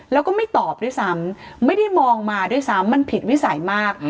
แล้วก็ไม่ตอบด้วยซ้ำไม่ได้มองมาด้วยซ้ำมันผิดวิสัยมาก